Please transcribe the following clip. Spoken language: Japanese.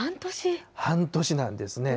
半年なんですね。